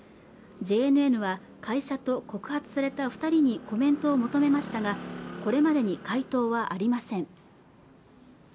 ＪＮＮは会社と告発された二人にコメントを求めましたがこれまでに回答はありません